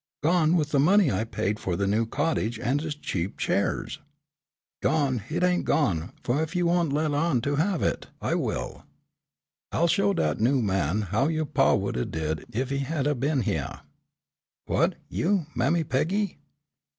Gone with the money I paid for the new cottage and its cheap chairs." "Gone, hit ain' gone, fu' ef you won't let on to have it, I will. I'll show dat new man how yo' pa would 'a' did ef he'd 'a' been hyeah." "What, you, Mammy Peggy?"